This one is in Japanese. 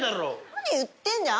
何言ってるんだよ。